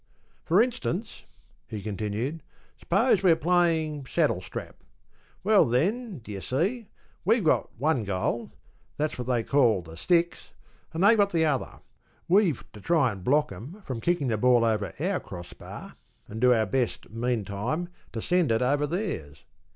For instance he continued, ‘s'pose we're playing Saddlestrap. Well, then, d'ye see, we've got one goal—that's what they call the sticks—and they've got the other. We've to try and block 'em from kicking the ball over our cross bar, and do our best, meantime, to send it over theirs.